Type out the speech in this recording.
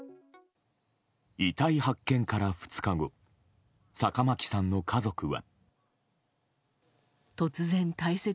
遺体発見から２日後坂巻さんの家族は。